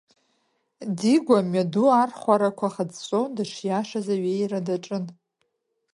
Дигәа амҩаду архәарақәа хыҵәҵәо, дышиашаз аҩеира даҿын.